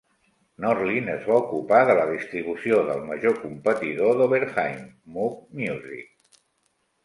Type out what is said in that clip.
Norlin es va ocupar de la distribució del major competidor d'Oberheim, Moog Music.